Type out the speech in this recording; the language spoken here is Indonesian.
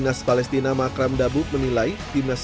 sedangkan palestina menempati peringkat sembilan puluh tujuh fifa